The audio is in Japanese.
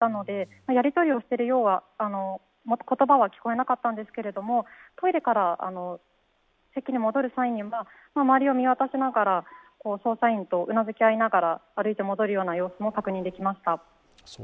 少し離れた席に座っていたのでやりとりをしている言葉は聞こえなかったんですけれども、トイレから席に戻る際に周りを見渡しながら捜査員とうなずき合いながら歩いて戻る様子がみられました。